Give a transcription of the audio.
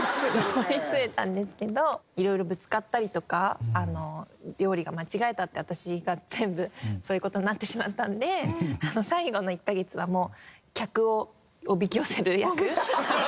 上り詰めたんですけど色々ぶつかったりとか料理が間違えたって私が全部そういう事になってしまったので最後の１カ月はもう。